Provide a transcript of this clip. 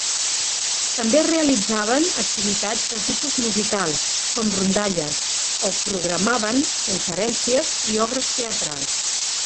També realitzaven activitats de tipus musical, com rondalles, o programaven conferències i obres teatrals.